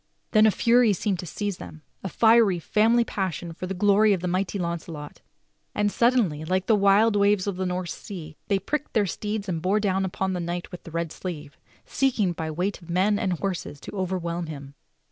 Then a fury seemed to seize them — a fiery family passion for the glory of the mighty Launcelot; and suddenly, like the wild waves of the North Sea, they pricked their steeds and bore down upon the knight with the red sleeve, seeking by the weight of men and horses to overwhelm him.